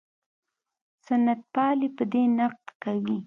سنت پالي په دې نقد کوي.